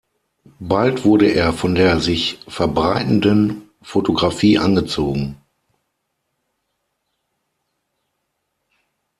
Bald wurde er von der sich verbreitenden Fotografie angezogen.